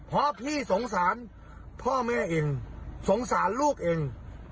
เพราะพี่สงสารพ่อแม่เองสงสารลูกเอง